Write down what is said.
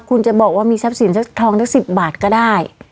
คุณจะบอกว่ามีทรัพย์สินสักทองได้๑๐บาทก็ได้